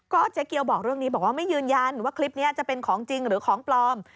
เจ๊เกียวบอกเรื่องนี้บอกว่าไม่ยืนยันว่าคลิปนี้จะเป็นของจริงหรือของปลอม